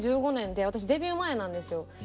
２０１５年で私デビュー前なんですよ。